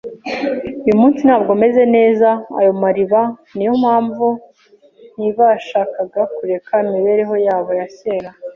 Uyu munsi, ntabwo meze neza. Ayo mariba niyo mpamvu. Ntibashakaga kureka imibereho yabo ya kera.